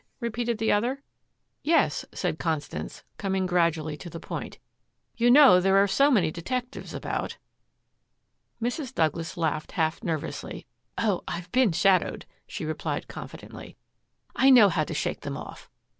repeated the other. "Yes," said Constance, coming gradually to the point. "You know there are so many detectives about." Mrs. Douglas laughed half nervously. "Oh, I've been shadowed," she replied confidently. "I know how to shake them off.